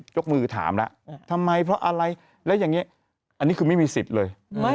ยกมือถามแล้วทำไมเพราะอะไรแล้วอย่างนี้อันนี้คือไม่มีสิทธิ์เลย